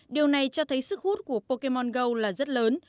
điều này cho thấy sức hút của pokemon go là rất lớn